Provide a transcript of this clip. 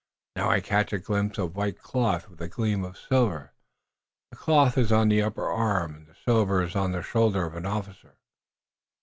"Now I catch a glimpse of white cloth with a gleam of silver. The cloth is on the upper arm, and the silver is on the shoulder of an officer."